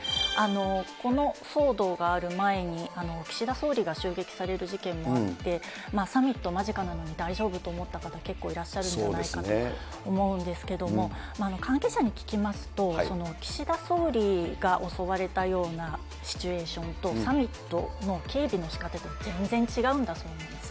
この騒動がある前に、岸田総理が襲撃される事件もあって、サミット間近なのに大丈夫と思った方、結構いらっしゃるんじゃないかと思うんですけども、関係者に聞きますと、岸田総理が襲われたようなシチュエーションと、サミットの警備のしかた、全然違うんだそうなんですね。